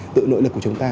tự nỗ lực của chúng ta